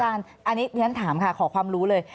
อันนี้ถามค่ะขอความรู้เลย